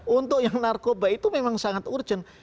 untuk yang narkoba itu memang sangat urgent